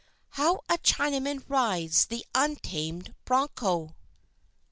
HOW A CHINAMAN RIDES THE UNTAMED BRONCHO.